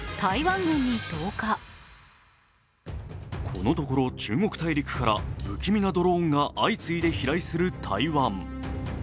このところ中国大陸から不気味なドローンが相次いで飛来する台湾。